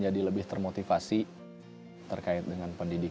jadi energia smartdazione juga sedulur